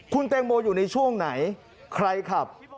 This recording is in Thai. คุณแตงโมอยู่ในช่วงไหนใครขับ